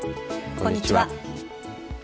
こんにちは。